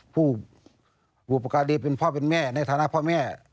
ผู้บุปการีเป็นพ่อเป็นแม่ในฐานะพ่อแม่